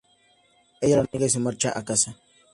Ella lo niega y se marcha a casa.